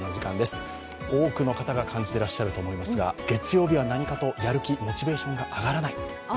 多くの方が感じていらっしゃると思いますが月曜日はなにかとやる気モチベーションが上がらない。